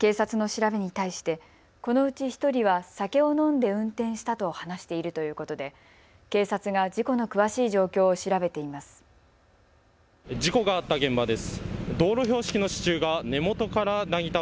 警察の調べに対してこのうち１人は酒を飲んで運転したと話しているということで警察が事故の詳しい状況を調べています。